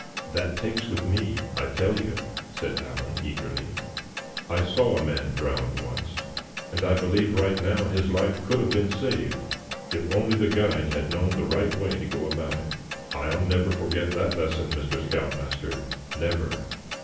"That takes with me, I tell you," said Allan, eagerly. "I saw a man drowned once, and I believe right now his life could have been saved if only the guide had known the right way to go about it. I'll never forget that lesson, Mr. Scout Master, never."